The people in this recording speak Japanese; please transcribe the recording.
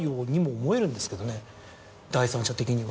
第三者的には。